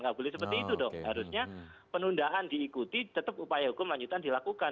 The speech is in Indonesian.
nggak boleh seperti itu dong harusnya penundaan diikuti tetap upaya hukum lanjutan dilakukan